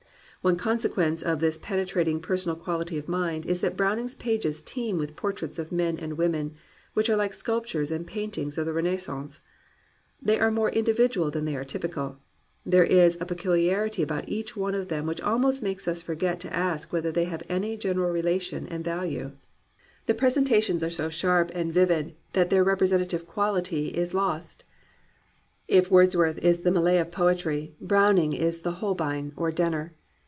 One consequence of this penetrating, personal quality of mind is that Browning's pages teem with portraits of men and women, which are like sculp tures and paintings of the Renaissance. They are more individual than they are typical. There is a peculiarity about each one of them which almost makes us forget to ask whether they have any gen eral relation and value. The presentations are so 251 COMPANIONABLE BOOKS sharp and vivid that their representative quahty is lost. K Wordsworth is the Millet of poetry, Browning is the Holbein or the Denner.